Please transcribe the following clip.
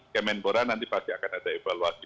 kemenpora nanti pasti akan ada evaluasi